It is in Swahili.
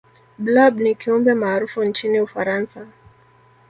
blob ni kiumbe maarufu nchini ufaransa